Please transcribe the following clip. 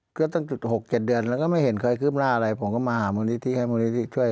ก็ตั้งจุด๖๗เดือนแล้วก็ไม่เห็นเคยคืบหน้าอะไรผมก็มาหามูลนิธิให้มูลนิธิช่วย